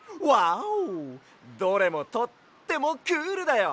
どれもとってもクールだよ！